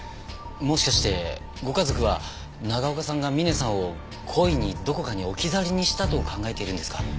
もしかしてご家族は長岡さんがミネさんを故意にどこかに置き去りにしたと考えているんですか？